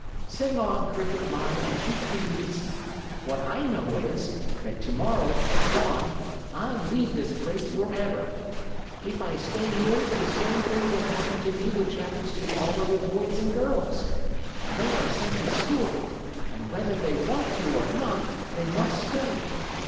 "Sing on, Cricket mine, as you please. What I know is, that tomorrow, at dawn, I leave this place forever. If I stay here the same thing will happen to me which happens to all other boys and girls. They are sent to school, and whether they want to or not, they must study.